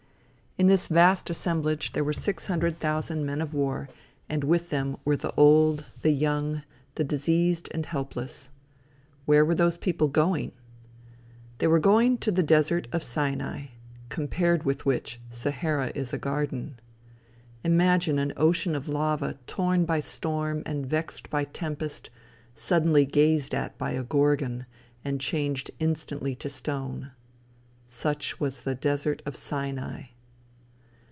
In this vast assemblage there were six hundred thousand men of war, and with them were the old, the young, the diseased and helpless. Where were those people going? They were going to the desert of Sinai, compared with which Sahara is a garden. Imagine an ocean of lava torn by storm and vexed by tempest, suddenly gazed at by a Gorgon and changed instantly to stone! Such was the desert of Sinai.